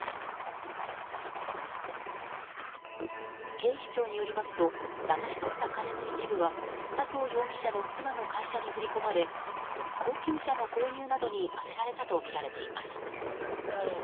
警視庁によりますとだまし取った金の一部は佐藤容疑者の妻の会社に振り込まれ高級車の購入などに充てられたとみられています。